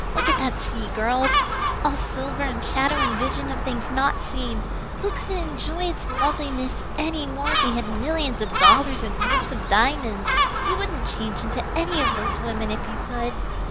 Look at that sea, girls all silver and shadow and vision of things not seen. We couldn't enjoy its loveliness any more if we had millions of dollars and ropes of diamonds. You wouldn't change into any of those women if you could.